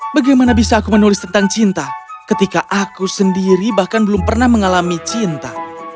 bagaimana bisa aku menulis tentang cinta ketika aku sendiri bahkan belum pernah mengalami cinta